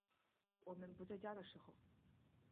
我们不在家的时候